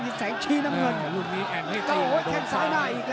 ระยังตีตีไม่ให้เข้า